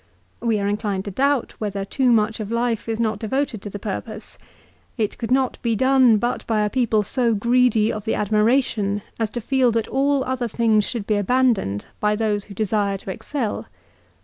We are inclined to doubt whether too much of life is not devoted to the purpose. It could not be done but by a people so greedy of the admiration as to feel that all other things should be CICERO'S RHETORIC. 333 abandoned by those who desire to excel.